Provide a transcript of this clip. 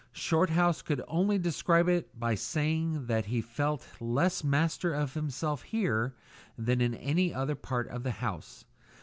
Shorthouse could only describe it by saying that he felt less master of himself here than in any other part of the house.